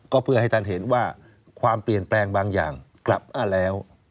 ก็เพื่อให้ท่านเห็นว่าความเปลี่ยนแปลงบางอย่างกลับอ้าแล้ว